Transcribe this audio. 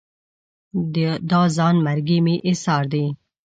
دا ځان مرګي مې ایسار دي